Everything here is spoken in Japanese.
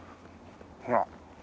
ほら。